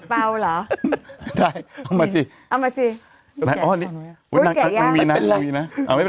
เปล่าเหรอได้เอามาสิเอามาสิอ๋อนี่อุ้ยแกะยาเป็นไรอ๋อไม่เป็น